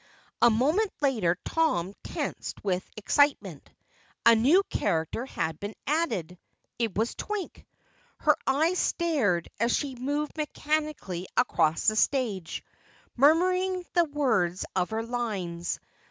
A moment later Tom tensed with excitement. A new character had been added. It was Twink. Her eyes stared as she moved mechanically across the stage, murmuring the words of her lines.